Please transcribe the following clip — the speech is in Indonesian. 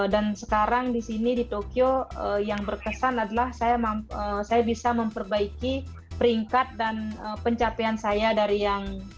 dan sekarang di sini di tokyo yang berkesan adalah saya bisa memperbaiki peringkat dan pencapaian saya dari yang